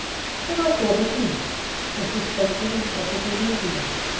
Then I thought of him, the suspected and possibly guilty one.